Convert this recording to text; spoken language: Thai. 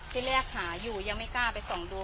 ที่แรกหาอยู่ยังไม่กล้าไปส่องดู